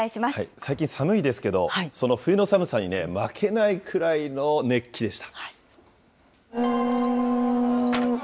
最近寒いですけど、その冬の寒さに負けないくらいの熱気でした。